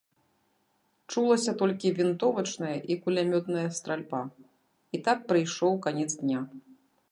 Чулася толькі вінтовачная і кулямётная стральба, і так прыйшоў канец дня.